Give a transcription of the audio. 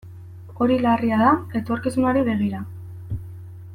Hori larria da etorkizunari begira.